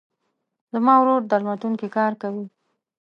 زما ورور درملتون کې کار کوي.